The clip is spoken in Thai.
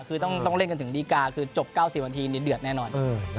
คือต้องเล่นกันถึงดีการ์คือจบเก้าสี่วันทีเดือดแน่นอน